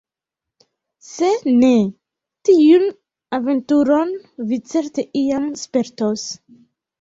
Se ne, tiun aventuron vi certe iam spertos.